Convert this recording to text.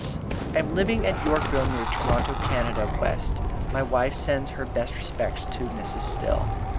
I am living at Yorkville near Toronto Canada West. My wife sends her best respects to Mrs. Still.